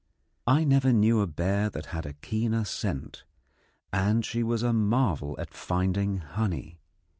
I never knew a bear that had a keener scent, and she was a marvel at finding honey.